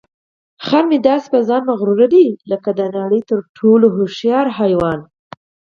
خر مې داسې په ځان مغروره دی لکه د نړۍ تر ټولو هوښیار حیوان.